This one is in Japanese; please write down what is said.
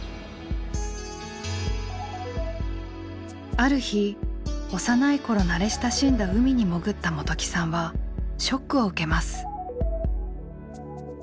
ある日幼い頃慣れ親しんだ海に潜った元起さんはショックを受けます。